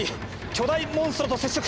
巨大モンストロと接触。